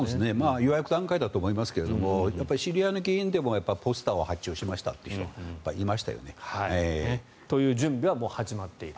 予約段階だと思いますが知り合いの議員でもポスターを発注しましたという人がいましたよね。という準備はもう始まっている。